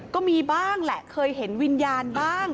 ก็มีบ้างแหละเคยเห็นวิญญาณบ้าง